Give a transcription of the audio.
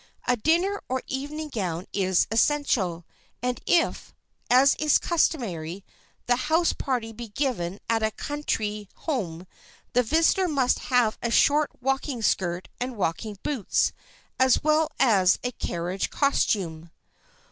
A dinner or evening gown is essential, and if, as is customary, the house party be given at a country home, the visitor must have a short walking skirt and walking boots, as well as a carriage costume.